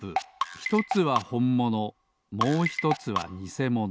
ひとつはほんものもうひとつはにせもの。